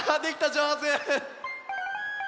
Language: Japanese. じょうず！